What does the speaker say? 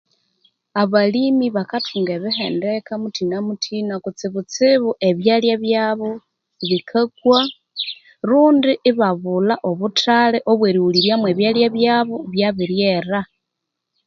Abalimi bakathunga ebihendeke muthina-muthina kutsibu-tsibu ebyalya byabu bikakwa rundi iba bulha obuthali obweri ghuliryamu ebyalya byabu byabiryera